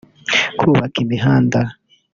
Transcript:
kubaka imihanda